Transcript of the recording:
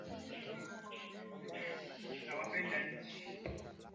Lakini akaachana na hayo mawazo kwa kuwa alihitaji kuongea na Magreth